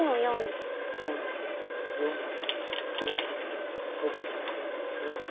３４５６７。